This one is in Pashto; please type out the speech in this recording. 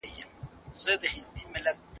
په خوله خوږ وو په زړه کوږ وو ډېر مکار وو